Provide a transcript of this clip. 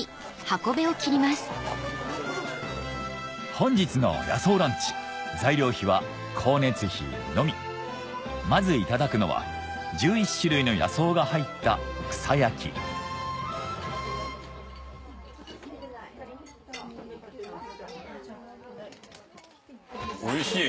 本日の野草ランチ材料費は光熱費のみまずいただくのは１１種類の野草が入ったおいしい！